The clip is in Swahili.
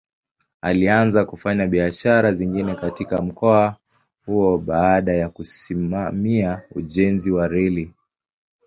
Alianza kufanya biashara zingine katika mkoa huo baada ya kusimamia ujenzi wa reli.